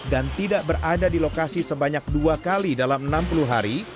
dan tidak berada di lokasi sebanyak dua kali dalam enam puluh hari